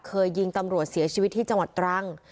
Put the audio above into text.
เคยยิงตำรวจเสียชีวิตที่จังหวัดตรัง